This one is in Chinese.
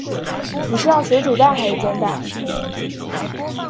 你是要水煮蛋还是煎蛋?